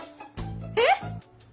えっ⁉